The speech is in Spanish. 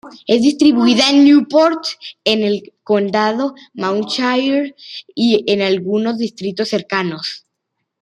Es distribuida en Newport, en el condado Monmouthshire y en algunos distritos cercanos.